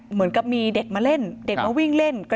เหมือนกับมีเด็กมาเล่นเด็กมาวิ่งเล่น